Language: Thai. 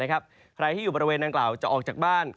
ใครที่อยู่บริเวณนางกล่าวจะออกจากบ้าน